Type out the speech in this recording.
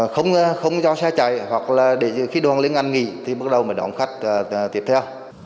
không cho xe chạy hoặc là khi đoàn liên đành nghỉ thì bắt đầu đoàn khách tiếp theo